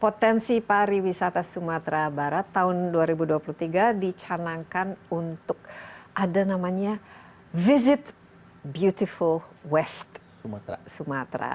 potensi pariwisata sumatera barat tahun dua ribu dua puluh tiga dicanangkan untuk ada namanya visit beautiful west sumatera